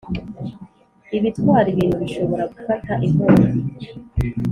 ibitwara ibintu bishobora gufata inkongi